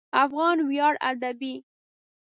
افغان ویاړ ادبي